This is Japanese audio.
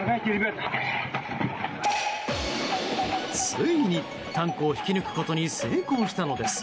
ついにタンクを引き抜くことに成功したのです。